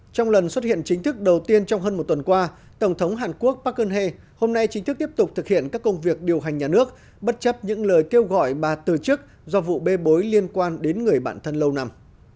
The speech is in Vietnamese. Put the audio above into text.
trong lần xuất hiện chính thức đầu tiên trong hơn một tuần qua tổng thống hàn quốc park han he hôm nay chính thức tiếp tục thực hiện các công việc điều hành nhà nước bất chấp những lời kêu gọi bà từ chức do vụ bê bối liên quan đến người bạn thân lâu năm